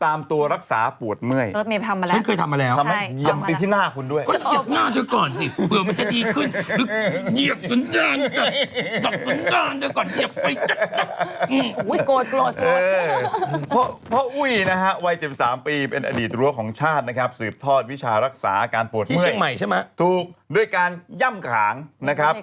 อันนี้ก็ประชาชนเน็ตละ๒ตัวตรงนะ